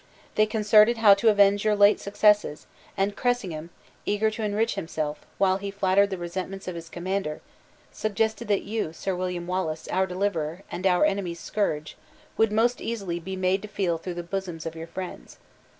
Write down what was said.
They concerted how to avenge your late successes; and Cressingham, eager to enrich himself, while he flattered the resentments of his commander, suggested that you, Sir William Wallace, our deliverer, and our enemy's scourge, would most easily be made to feel through the bosoms of your friends.